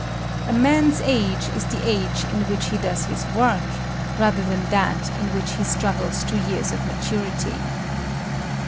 A man's age is the age in which he does his work rather than that in which he struggles to years of maturity.